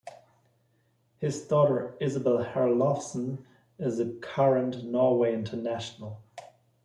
His daughter Isabell Herlovsen is a current Norway international.